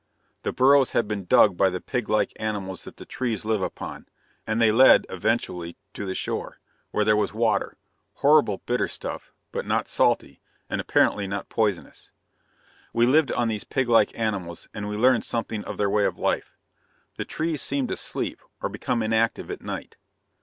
The burrows had been dug by the pig like animals that the trees live upon, and they led, eventually, to the shore, where there was water horrible, bitter stuff, but not salty, and apparently not poisonous." We lived on these pig like animals, and we learned something of their way of life. The trees seem to sleep, or become inactive, at night.